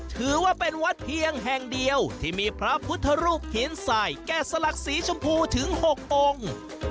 ถือว่าเป็นวัดเพียงแห่งเดียวที่มีพระพุทธรูปหินสายแก่สลักสีชมพูถึง๖องค์